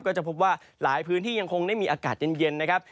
ก็จะพบว่าหลายพื้นที่ยังคงได้มีอากาศเย็นนะครับ